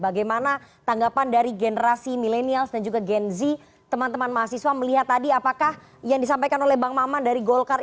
bagaimana tanggapan dari generasi milenials dan juga gen z teman teman mahasiswa melihat tadi apakah yang disampaikan oleh bang maman dari golkar